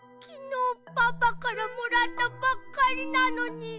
きのうパパからもらったばっかりなのに！